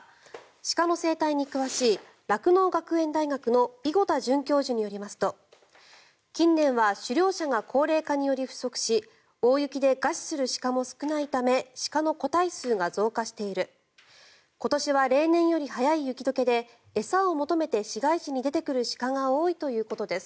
鹿の生態に詳しい酪農学園大学の伊吾田准教授によりますと近年は狩猟者が高齢化により不足し大雪で餓死する鹿も少ないため鹿の個体数が増加している今年は例年より早い雪解けで餌を求めて市街地に出てくる鹿が多いということです。